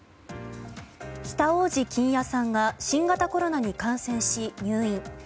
北大路欣也さんが新型コロナに感染し入院。